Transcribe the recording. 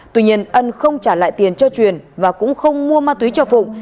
tuy nhiên ân không trả lại tiền cho truyền và cũng không mua ma túy cho phụng